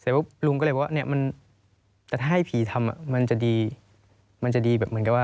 แต่ถ้าให้ผีทำมันจะดี